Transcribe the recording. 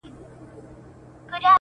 وږي پړانګ غرڅه له لیري وو لیدلی -